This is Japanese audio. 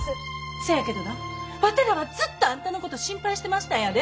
せやけどなわてらはずっとあんたのこと心配してましたんやで。